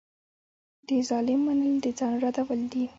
د ظالم منل د ځان ردول دي.